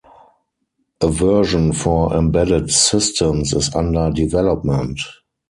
A version for embedded systems is under development.